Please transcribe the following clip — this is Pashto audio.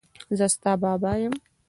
زه ستا بابا یم.